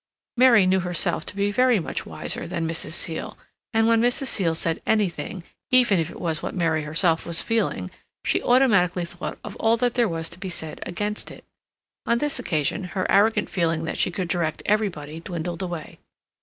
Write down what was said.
Mary knew herself to be very much wiser than Mrs. Seal, and when Mrs. Seal said anything, even if it was what Mary herself was feeling, she automatically thought of all that there was to be said against it. On this occasion her arrogant feeling that she could direct everybody dwindled away.